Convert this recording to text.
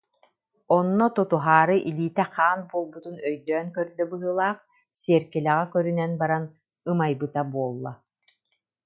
Онно тутуһаары илиитэ хаан буолбутун өйдөөн көрдө быһыылаах, сиэркилэҕэ көрүнэн баран ымайбыта буолла: